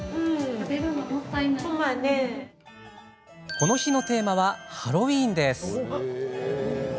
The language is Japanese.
この日のテーマはハロウィーンです。